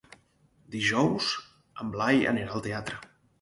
Dijous en Blai anirà al teatre.